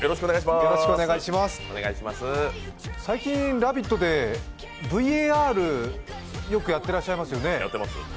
最近「ラヴィット！」でＶＡＲよくやってらっしゃいますよね。